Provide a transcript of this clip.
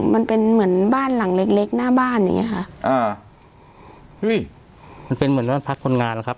มันเป็นเหมือนบ้านหลังเล็กเล็กหน้าบ้านอย่างเงี้ค่ะอ่าเฮ้ยมันเป็นเหมือนบ้านพักคนงานหรอกครับ